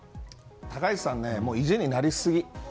高市さんは意地になりすぎ。